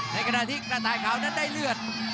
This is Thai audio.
ในขณะที่กระต่ายขาวนั้นได้เลือด